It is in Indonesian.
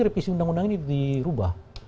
revisi undang undang ini dirubah